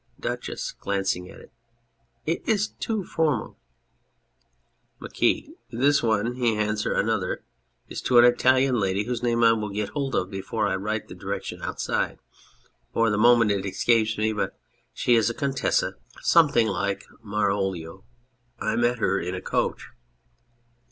DUCHESS (glancing at if). It is too formal ! MARQUIS. This one (he hands her another') is to an Italian lady, whose name I will get hold of before I write the direction outside ; for the moment it escapes me, but she is a Contessa, something like Marolio, and I met her in a coach.